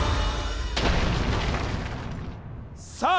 さあ